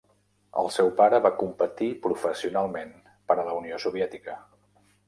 El seu pare va competir professionalment per a la Unió Soviètica.